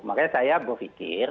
makanya saya berpikir